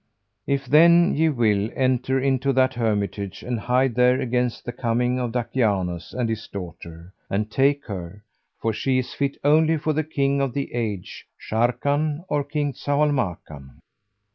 If, then, ye will; enter into that hermitage and hide there against the coming of Dakianus and his daughter; and take her, for she is fit only for the King of the Age, Sharrkan, or King Zau al Makan."